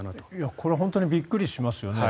これは本当にびっくりしますよね。